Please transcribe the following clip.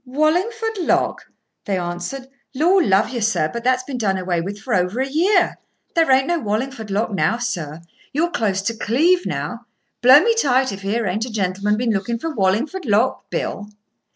"Wallingford lock!" they answered. "Lor' love you, sir, that's been done away with for over a year. There ain't no Wallingford lock now, sir. You're close to Cleeve now. Blow me tight if 'ere ain't a gentleman been looking for Wallingford lock, Bill!"